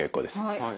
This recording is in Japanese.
はい。